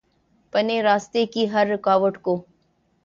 پنے راستے کی ہر رکاوٹ کو